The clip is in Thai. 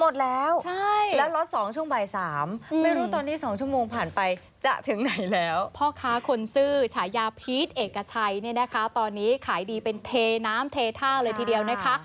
เทน่ำเทท่าเลยทีเดียวนะคะ